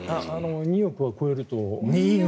２億は超えると。